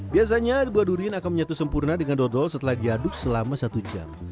biasanya buah durian akan menyatu sempurna dengan dodol setelah diaduk selama satu jam